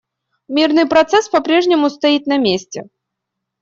Мирный процесс попрежнему стоит на месте.